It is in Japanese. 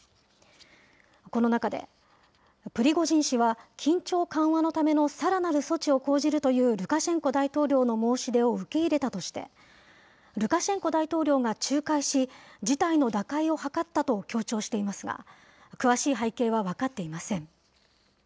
この中で、プリゴジン氏は緊張緩和のためのさらなる措置を講じるというルカシェンコ大統領の申し出を受け入れたとして、ルカシェンコ大統領が仲介し、事態の打開を図ったと強調していますが、詳しい背景は分かっていません。